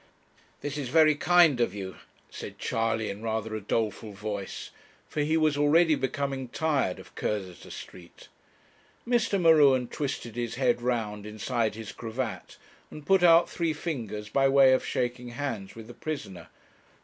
'This is very kind of you,' said Charley, in rather a doleful voice, for he was already becoming tired of Cursitor Street. Mr. M'Ruen twisted his head round inside his cravat, and put out three fingers by way of shaking hands with the prisoner.